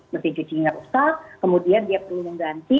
mesin cuci ini rusak kemudian dia perlu mengganti